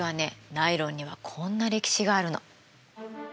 ナイロンにはこんな歴史があるの。